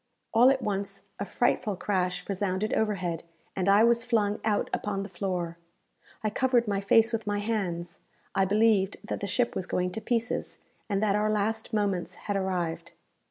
All at once a frightful crash resounded overhead, and I was flung out upon the floor. I covered my face with my hands I believed that the ship was going to pieces, and that our last moments had arrived.